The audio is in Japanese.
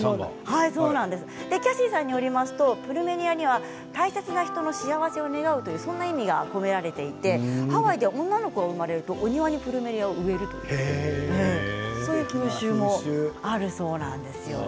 キャシーさんによりますとプルメリアには大切な人の幸せを願うというそんな意味が込められていてハワイで女の子が生まれるとプルメリアを庭に植えるという風習もあるそうです。